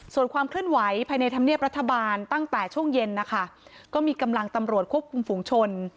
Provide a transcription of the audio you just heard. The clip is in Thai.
ส่วนความเคลื่อนไหวภายในธรรมเนียบรัฐบาลตั้งแต่ช่วงเย็นนะคะก็มีกำลังตำรวจควบคุมฝุงชน